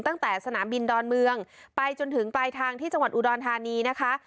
ตั้งแต่สนามบินดอนเมืองไปจนถึงปลายทางที่จังหวัดอุดรธานีนะคะ